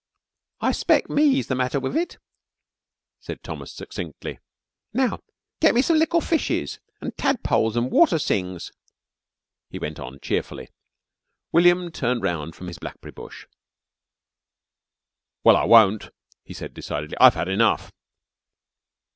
"I 'speck me's the matter wif it," said Thomas succinctly. "Now, get me some lickle fishes, an' tadpoles an' water sings," he went on cheerfully. William turned round from his blackberry bush. "Well, I won't," he said decidedly. "I've had enough!"